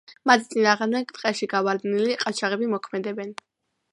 მათ წინააღმდეგ ტყეში გავარდნილი ყაჩაღები მოქმედებენ.